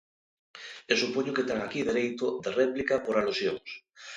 E supoño que terán aquí dereito de réplica por alusións.